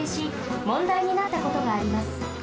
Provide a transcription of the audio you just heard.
もんだいになったことがあります。